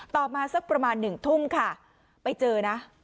ต่อมาสักประมาณหนึ่งทุ่มค่ะไปเจอนะ